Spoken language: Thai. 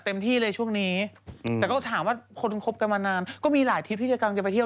ก็เปลี่ยนแผนอะไรอย่างนี้